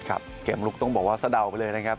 เกมลุกต้องบอกว่าสะเดาไปเลยนะครับ